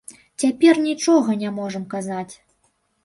Цяпер нічога не можам казаць.